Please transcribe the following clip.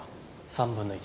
３分の１。